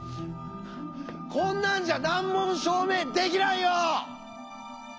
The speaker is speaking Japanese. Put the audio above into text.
こんなんじゃ難問の証明できないよ！